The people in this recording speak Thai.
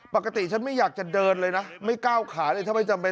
ปกติฉันไม่อยากจะเดินเลยนะไม่ก้าวขาเลยถ้าไม่จำเป็น